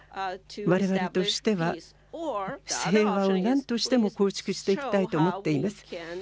われわれとしては平和を何としても構築していきたいと思っています。